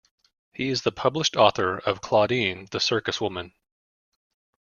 He is the published author of "Claudine The Circus Woman".